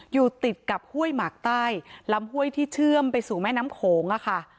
อยู่ติดกับห้วยหมากใต้ลำห้วยที่เชื่อมไปสู่แม่น้ำโขงค่ะ